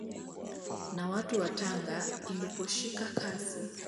Na watu wa Tanga iliposhika kasi